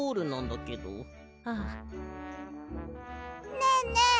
ねえねえ